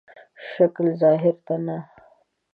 شکل ظاهر ته نه.